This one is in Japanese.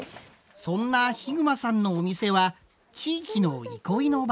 そんな熊さんのお店は地域の憩いの場。